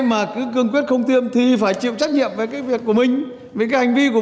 mà cứ cương quyết không tiêm thì phải chịu trách nhiệm về cái việc của mình vì cái hành vi của